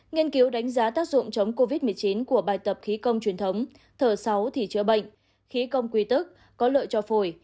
nghiên cứu đánh giá tác dụng chống covid một mươi chín của bài tập khí công truyền thống thở sáu thì chữa bệnh khí công quy tức có lợi cho phổi